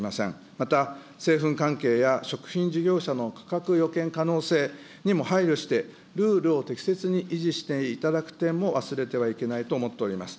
また、製粉関係や食品事業者の価格予見可能性にも配慮して、ルールを適切に維持していただく点も忘れてはいけないと思っております。